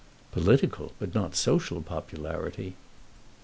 "Political but not social popularity."